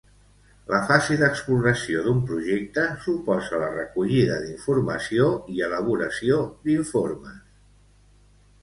La fase d'exploració d'un projecte suposa la recollida d'informació i l'elaboració d'informes.